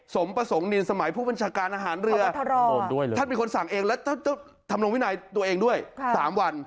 สมประสงค์นินสมัยผู้บัญชาการอาหารเรือท่านเป็นคนสั่งเองแล้วท่านทำลงวินัยตัวเองด้วย๓วัน